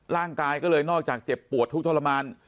ร่างกายก็เลยนอกจากเจ็บปวดทุกข์ทรมาน